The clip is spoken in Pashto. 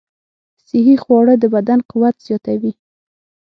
صحي خواړه د بدن قوت زیاتوي.